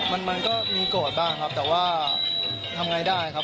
มันมันก็มีโกรธบ้างครับแต่ว่าทำไงได้ครับ